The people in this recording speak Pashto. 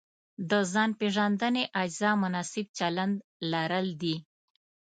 د ځان پېژندنې اجزا مناسب چلند لرل دي.